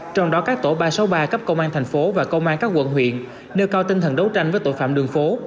trong đó các tổ ba trăm sáu mươi ba cấp công an thành phố và công an các quận huyện nêu cao tinh thần đấu tranh với tội phạm đường phố